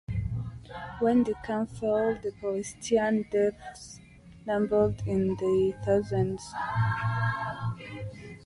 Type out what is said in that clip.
When the camp fell, the Palestinian deaths numbered in the thousands.